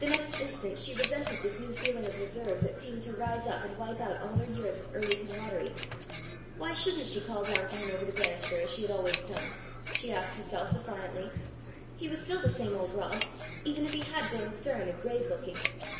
The next instant she resented this new feeling of reserve that seemed to rise up and wipe out all their years of early comradery. Why shouldn't she call down to him over the banister as she had always done? she asked herself defiantly. He was still the same old Rob, even if he had grown stern and grave looking.